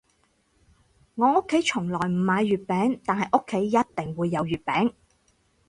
我屋企從來唔買月餅，但係屋企一定會有月餅